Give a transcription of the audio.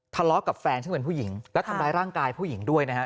ทะเลาะกับแฟนซึ่งเป็นผู้หญิงและทำร้ายร่างกายผู้หญิงด้วยนะฮะ